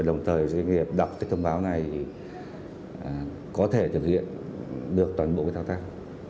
đồng thời doanh nghiệp đọc thông báo này có thể thực hiện được toàn bộ cái thao tác